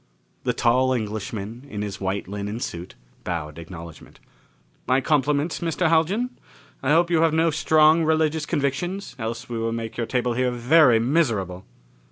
The tall Englishman, in his white linen suit, bowed acknowledgement. "My compliments, Mr. Haljan. I hope you have no strong religious convictions, else we will make your table here very miserable!"